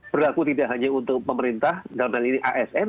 berlaku tidak hanya untuk pemerintah dalam hal ini asn